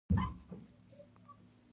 ترموز د شاعر خوږ یار دی.